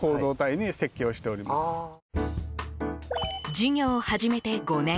事業を始めて５年。